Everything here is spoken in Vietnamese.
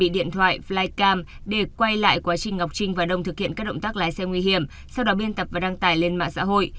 điện thoại flycam để quay lại quá trình ngọc trinh và đông thực hiện các động tác lái xe nguy hiểm sau đó biên tập và đăng tải lên mạng xã hội